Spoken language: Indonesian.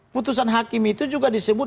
putusan hakim itu juga disebut